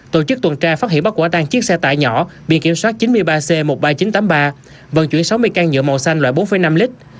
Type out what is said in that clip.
tổ chức tuần tra phát hiện bắt quả tang chiếc xe tải nhỏ biển kiểm soát chín mươi ba c một mươi ba nghìn chín trăm tám mươi ba vận chuyển sáu mươi can nhựa màu xanh loại bốn năm lít